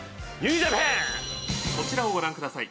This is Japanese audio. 「こちらをご覧ください」